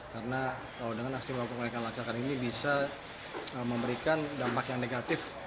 karena dengan aksi mogok yang akan lancarkan ini bisa memberikan dampak yang negatif